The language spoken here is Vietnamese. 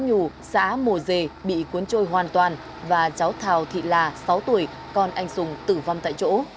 các khu vực sáng nhù xã mồ dề bị cuốn trôi hoàn toàn và cháu thảo thị là sáu tuổi con anh sùng tử vong tại chỗ